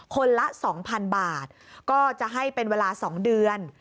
ละ๒๐๐๐บาทก็จะให้เป็นเวลา๒เดือน